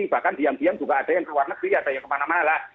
bahkan diam diam juga ada yang keluar negeri ada yang kemana mana